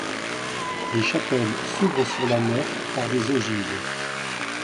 Les chapelles s'ouvrent sur la nef par des ogives.